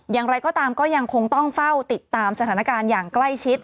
อย่างไรก็ตามก็ยังคงต้องเฝ้าติดตามสถานการณ์อย่างใกล้ชิด